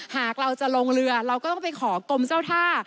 หากเราจะลงเรือเราก็ต้องไปขอกรมเจ้าท่า